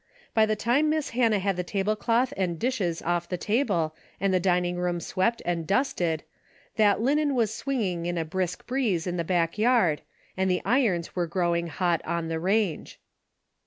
By the time Miss Hannah had the tablecloth and dishes off the table and the dining room swept and dusted that linen Avas swinging in a brisk breeze in the back yard and the irons were growing hot on the range.